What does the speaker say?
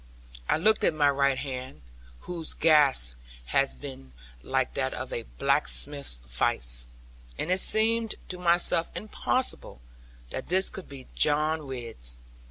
I looked at my right hand, whose grasp had been like that of a blacksmith's vice; and it seemed to myself impossible that this could be John Ridd's.